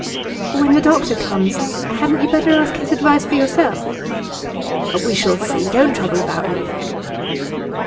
'When the doctor comes hadn't you better ask his advice for yourself?' 'We shall see. Don't trouble about me.